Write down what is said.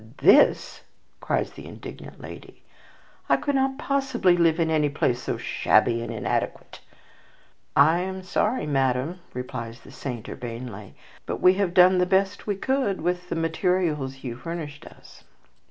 "This!" cries the indignant lady; "I could not possibly live in any place so shabby and inadequate." "I am sorry, madame," replies the saint urbanely; "but we have done the best we could with the materials you furnished us."